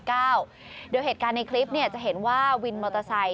โดยเหตุการณ์ในคลิปจะเห็นว่าวินมอเตอร์ไซค